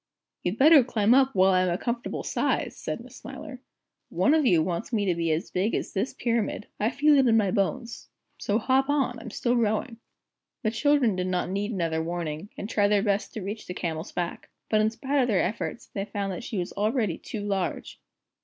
"You'd better climb up while I'm a comfortable size," said Miss Smiler. "One of you wants me to be as big as this pyramid. I feel it in my bones. So hop on, I'm still growing!" The children did not need another warning, and tried their best to reach the Camel's back. But in spite of their efforts, they found that she was already too large.